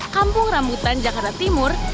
kampung rambutan jakarta timur